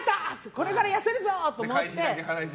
これから痩せるぞ！と思って。